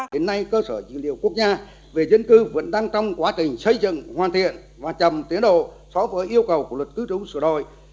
đến nay cơ sở dữ liệu quốc gia về dân cư vẫn đang trong quá trình xây dựng hoàn thiện và chậm tiến độ so với yêu cầu của luật cư trú sửa đổi